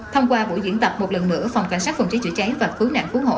thông qua bộ diễn tập một lần nữa phòng cảnh sát phòng cháy chữa cháy và phú nạn phú hộ